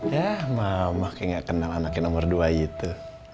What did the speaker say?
ya mama kayak gak kenal anaknya nomor dua gitu